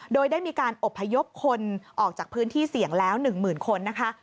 โดยได้มีการอบพยพคนออกจากพื้นที่เสี่ยงแล้ว๑๐๐๐คนนะคะ